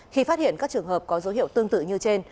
khi phát hiện các trường hợp có dấu hiệu tương tự như trên